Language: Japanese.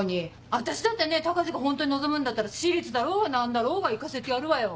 私だってね高志がホントに望むんだったら私立だろうが何だろうが行かせてやるわよ。